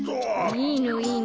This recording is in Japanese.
いいのいいの。